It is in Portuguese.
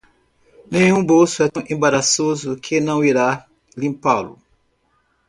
Nenhum bolso é tão embaraçoso que não irá limpá-lo.